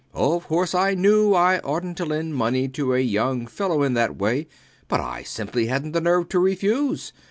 Of course, I knew I oughtnt to lend money to a young fellow in that way; but I simply hadnt the nerve to refuse.